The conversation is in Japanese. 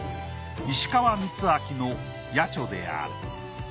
石川光明の『野猪』である。